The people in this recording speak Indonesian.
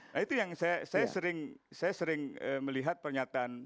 nah itu yang saya sering melihat pernyataan